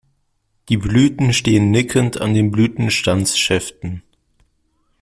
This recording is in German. Die Blüten stehen nickend an den Blütenstandsschäften.